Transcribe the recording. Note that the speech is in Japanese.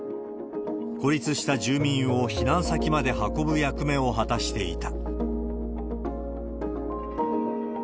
孤立した住民を避難先まで運ぶ役目を果たしていた。